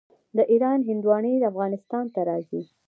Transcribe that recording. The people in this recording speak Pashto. د ایران هندواڼې افغانستان ته راځي.